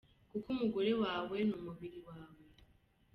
Kuko umugore wawe ni umubiri wawe.